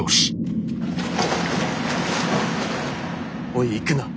「『おい行くな！